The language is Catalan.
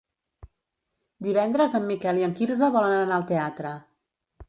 Divendres en Miquel i en Quirze volen anar al teatre.